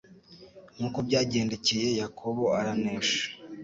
Nk'uko byagendekcye Yakobo, aranesha.